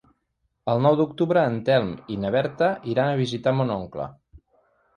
El nou d'octubre en Telm i na Berta iran a visitar mon oncle.